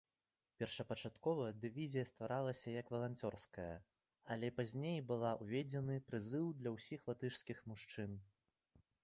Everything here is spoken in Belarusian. Першапачаткова дывізія стваралася як валанцёрская, але пазней была ўведзены прызыў для ўсіх латышскіх мужчын.